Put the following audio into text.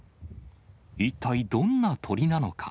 一体どんな鳥なのか。